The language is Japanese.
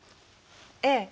ええ。